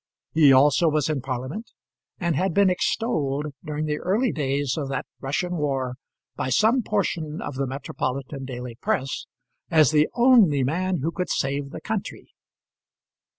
He also was in Parliament, and had been extolled during the early days of that Russian war by some portion of the metropolitan daily press, as the only man who could save the country.